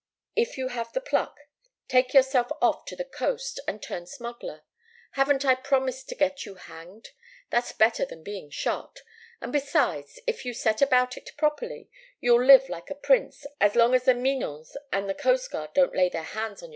If you have the pluck, take yourself off to the coast and turn smuggler. Haven't I promised to get you hanged? That's better than being shot, and besides, if you set about it properly, you'll live like a prince as long as the minons and the coast guard don't lay their hands on your collar.